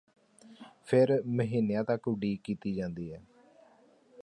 ਫਿਰ ਮਹੀਨਿਆਂ ਤੱਕ ਉਡੀਕ ਕੀਤੀ ਜਾਂਦੀ ਹੈ